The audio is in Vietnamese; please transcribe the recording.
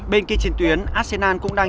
bên kia trên tuyến arsenal cũng đang